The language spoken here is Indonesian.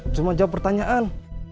cuma jawab pertanyaan